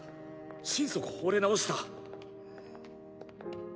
心底惚れ直した。